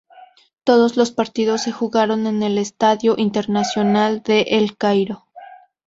Todos los partidos se jugaron en el Estadio Internacional de El Cairo.